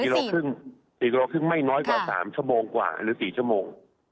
๔กิโลครึ่งไม่น้อยกว่า๓ชั่วโมงกว่าหรือ๔ชั่วโมง